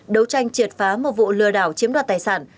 đấu tranh triệt phá một vụ lừa đảo chiếm đoạt tài sản